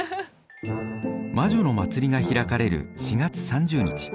魔女の祭りが開かれる４月３０日